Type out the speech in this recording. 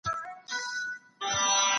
کمپيوټر حق خوندي کوي.